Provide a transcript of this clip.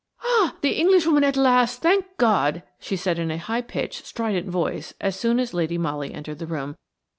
"Ah! the Englishwoman at last, thank God!" she said in a high pitched, strident voice as soon as Lady Molly entered the room.